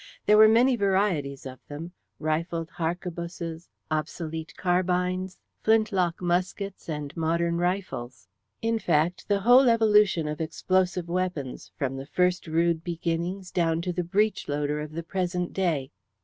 There were many varieties of them: rifled harquebuses, obsolete carbines, flint lock muskets, and modern rifles; in fact, the whole evolution of explosive weapons, from the first rude beginnings down to the breech loader of the present day.